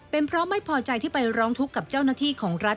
เป็นเพราะไม่พอใจที่ไปร้องทุกข์กับเจ้าหน้าที่ของรัฐ